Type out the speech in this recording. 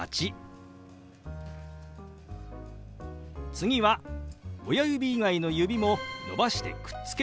次は親指以外の指も伸ばしてくっつけます。